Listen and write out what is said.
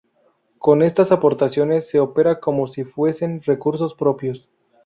Con estas aportaciones se opera como si fuesen recursos propios.